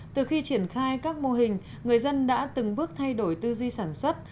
từ khi triển khai các mô hình người dân đã từng bước thay đổi tư duy sản xuất